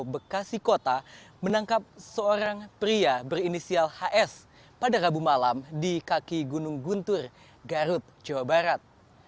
bekasi kota menangkap seorang pria berinisial hs pada rabu malam di kaki gunung guntur garut jawa barat